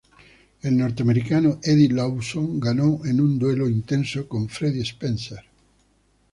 El norteamericano Eddie Lawson ganó en un duelo intenso con Freddie Spencer.